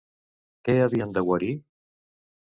Què havien de guarir?